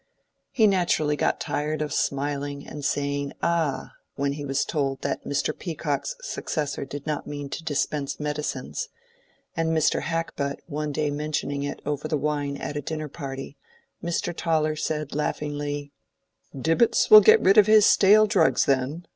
He naturally got tired of smiling and saying, "Ah!" when he was told that Mr. Peacock's successor did not mean to dispense medicines; and Mr. Hackbutt one day mentioning it over the wine at a dinner party, Mr. Toller said, laughingly, "Dibbitts will get rid of his stale drugs, then.